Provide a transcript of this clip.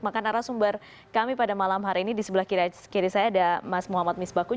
maka narasumber kami pada malam hari ini di sebelah kiri saya ada mas muhammad misbakun